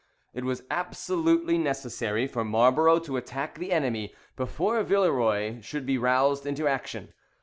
It was absolutely necessary for Marlborough to attack the enemy, before Villeroy should be roused into action.